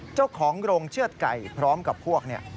เจ้าของโรงเชือดไก่พร้อมกับพวกเนี่ย